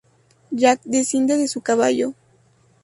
Jack desciende de su caballo.